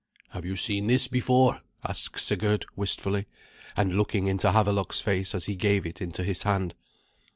"Have you seen this before?" asked Sigurd wistfully, and looking into Havelok's face as he gave it into his hand.